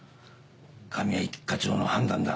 神谷一課長の判断だ。